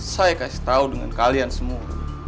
saya kasih tahu dengan kalian semua